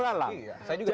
saya juga tidak mau